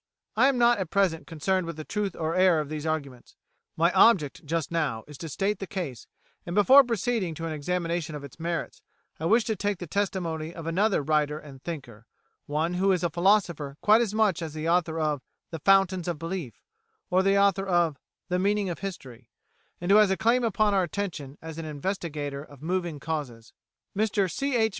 I am not at present concerned with the truth or error of these arguments; my object just now is to state the case, and before proceeding to an examination of its merits I wish to take the testimony of another writer and thinker, one who is a philosopher quite as much as the author of "The Foundations of Belief" or the author of "The Meaning of History," and who has a claim upon our attention as an investigator of moving causes. Mr C. H.